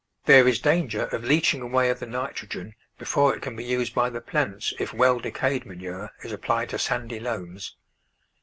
There is dan ger of leaching away of the nitrogen before it can be used by the plants if well decayed manure is applied to sandy loams.